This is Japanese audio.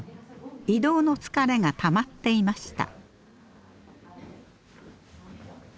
移動の疲れがたまっていました。